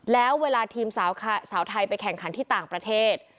แล้วเวลาทีมสาวไทยไปแข่งขันที่ต่างประเทศ